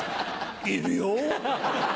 いるよ？